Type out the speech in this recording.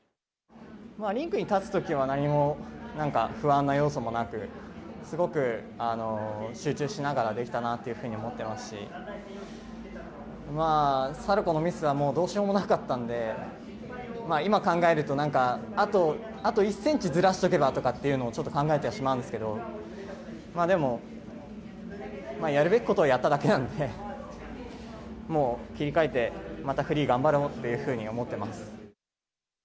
リンクに立つときは何も、なんか不安な要素もなく、すごく集中しながらできたなというふうに思ってますし、サルコーのミスはどうしようもなかったんで、今、考えるとなんか、あと１センチずらしとけばっていうのをちょっと考えてしまうんですけれども、でも、やるべきことはやっただけなので、もう切り替えて、またフリー頑張ろうというふうに思っています。